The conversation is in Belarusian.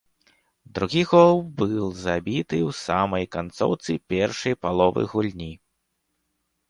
Другі гол быў забіты ў самай канцоўцы першай паловы гульні.